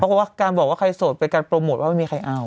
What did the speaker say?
เพราะว่าการบอกว่าใครโสดเป็นการโปรโมทว่าไม่มีใครเอา